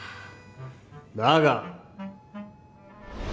だが。